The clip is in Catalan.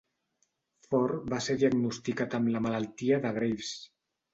Ford va ser diagnosticat amb la malaltia de Graves.